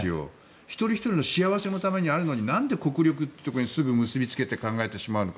一人ひとりの幸せのためにあるのになんで国力にすぐ結びつけて考えてしまうのか。